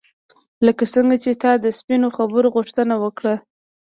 لکه څنګه چې تا د سپینو خبرو غوښتنه وکړه.